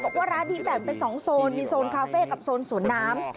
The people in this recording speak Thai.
บอกว่าร้านนี้แบ่งเป็น๒โซนมีโซนคาเฟ่กับโซนสวนน้ำ